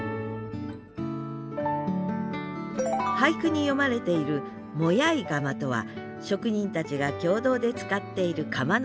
俳句に詠まれている「もやい窯」とは職人たちが共同で使っている窯のこと。